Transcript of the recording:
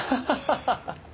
ハハハハ。